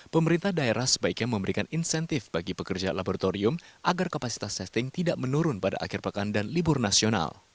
pemerintah daerah sebaiknya memberikan insentif bagi pekerja laboratorium agar kapasitas testing tidak menurun pada akhir pekan dan libur nasional